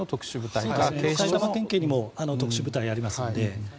埼玉県警にも特殊部隊はありますので。